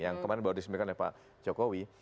yang kemarin baru disampaikan oleh pak jokowi